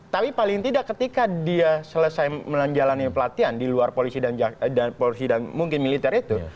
tapi paling tidak ketika dia selesai menjalani pelatihan di luar polisi dan polisi dan mungkin militer itu